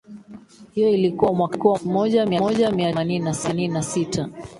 Hiyo ilikuwa mwaka elfu moja mia tisa themanini na sita